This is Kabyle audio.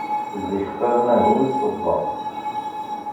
Zik qqaṛen ahu i ṣṣeḍa.